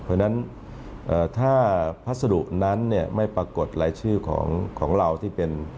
เพราะฉะนั้นถ้าพัสดุนั้นไม่ปรากฏรายชื่อของเราที่เป็น